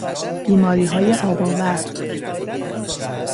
بیماریهای آب آورد